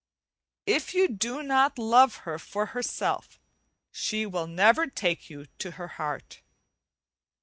If you do not love her for herself she will never take you to her heart.